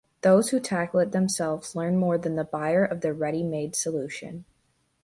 Those who tackle it themselves learn more than the buyer of the ready-made solution.